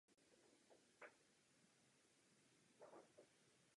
Tím také říkám, že usnesení velmi podporuji.